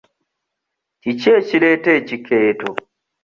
Kiki ekireeta ekikeeto?